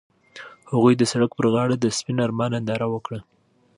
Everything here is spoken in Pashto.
هغوی د سړک پر غاړه د سپین آرمان ننداره وکړه.